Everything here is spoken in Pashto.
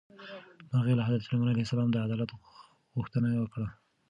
مرغۍ له حضرت سلیمان علیه السلام د عدالت غوښتنه وکړه.